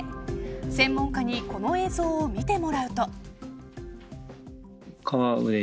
専門家にこの映像を見てもらうと。